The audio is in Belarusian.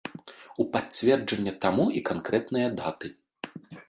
У пацвярджэнне таму і канкрэтныя даты.